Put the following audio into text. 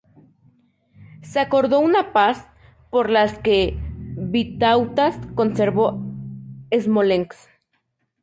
Se acordó una paz, por la que Vitautas conservó Smolensk.